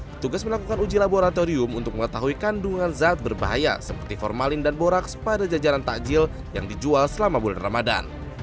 petugas melakukan uji laboratorium untuk mengetahui kandungan zat berbahaya seperti formalin dan boraks pada jajaran takjil yang dijual selama bulan ramadan